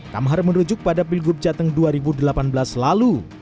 kamhar merujuk pada pilgub jateng dua ribu delapan belas lalu